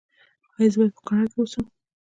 ایا زه باید په کنړ کې اوسم؟